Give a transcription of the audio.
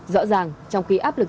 rõ ràng trong khi áp lực